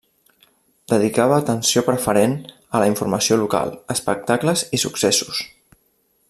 Dedicava atenció preferent a la informació local, espectacles i successos.